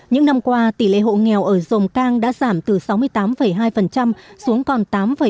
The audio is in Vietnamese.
những năm qua tỷ lệ hộ nghèo ở dồn cang đã giảm từ sáu mươi tám hai xuống còn tám bảy